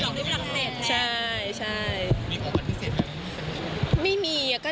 มีบัตรพิเศษแบบที่สำคัญหรือเปล่า